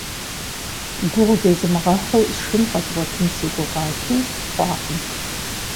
Гугъу зезмыгъэхьу сшхын къэзгъуэтын си гугъати, хъуакъым.